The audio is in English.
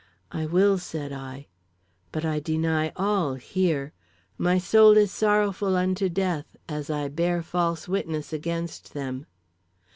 'I will,' said I. But I deny all here. My soul is sorrowful unto death, as I bear false witness against them.